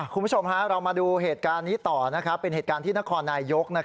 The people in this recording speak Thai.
คุณผู้ชมเรามาดูเหตุการณ์นี้ต่อเป็นเหตุการณ์ที่นครนายยก